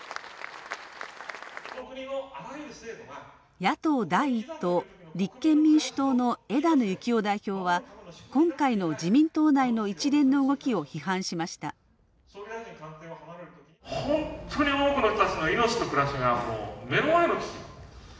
野党第１党立憲民主党の枝野幸男代表は今回の自民党内の一連の動きを批判しました。